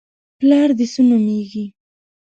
_پلار دې څه نومېږي؟